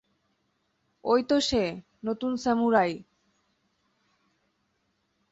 ওইতো সে, নতুন স্যামুরাই।